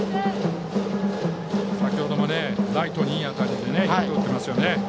先程もライトにいい当たりヒットを打っていますね。